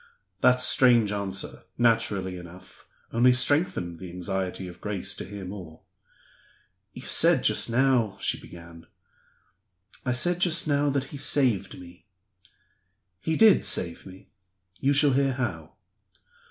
That strange answer, naturally enough, only strengthened the anxiety of Grace to hear more. "You said just now " she began. "I said just now that he saved me. He did save me; you shall hear how.